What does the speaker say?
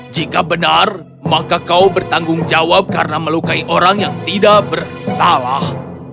jika benar maka kau bertanggung jawab karena melukai orang yang tidak bersalah